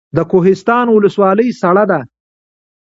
د کوهستان ولسوالۍ سړه ده